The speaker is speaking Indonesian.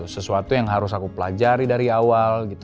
sesuatu yang harus aku pelajari dari awal gitu